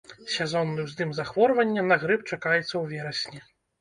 Сезонны ўздым захворвання на грып чакаецца ў верасні.